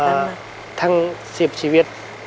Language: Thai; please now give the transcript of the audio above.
ครับทั้ง๑๐ชีวิต